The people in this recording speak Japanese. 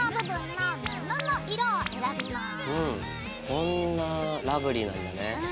こんなラブリーなんだね。